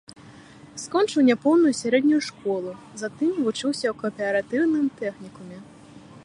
Скончыў няпоўную сярэднюю школу, затым вучыўся ў кааператыўным тэхнікуме.